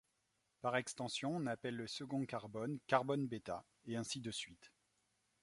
Par extension, on appelle le second carbone carbone bêta, et ainsi de suite.